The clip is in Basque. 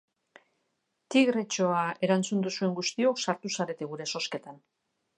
Tigretxoa erantzun duzuen guztiok sartu zarete gure zozketan.